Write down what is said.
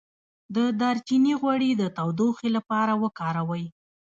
د دارچینی غوړي د تودوخې لپاره وکاروئ